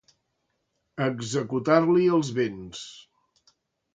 Executar-li els béns.